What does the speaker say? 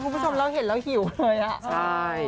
คุณผู้ชมเราเห็นแล้วหิวเลยอ่ะใช่